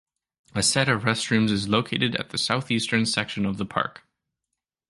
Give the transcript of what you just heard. A set of restrooms is located at the southeastern section of the park.